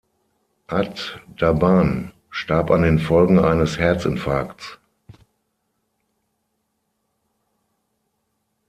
Ad-Dabban starb an den Folgen eines Herzinfarkts.